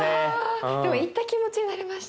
でも行った気持ちになれました。